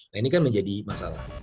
nah ini kan menjadi masalah